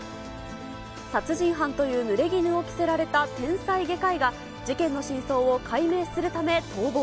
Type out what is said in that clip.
殺人犯というぬれぎぬを着せられた天才外科医が、事件の真相を解明するため逃亡。